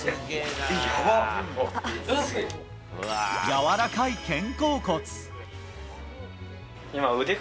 柔らかい肩甲骨。